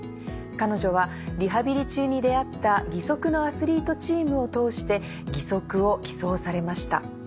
彼女はリハビリ中に出会った義足のアスリートチームを通して義足を寄贈されました。